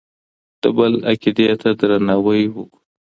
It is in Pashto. د بل عقيدې ته درناوی وکړو.